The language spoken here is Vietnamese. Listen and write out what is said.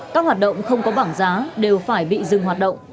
các hoạt động không có bảng giá đều phải bị dừng hoạt động